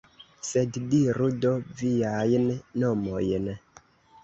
Sed diru do viajn nomojn!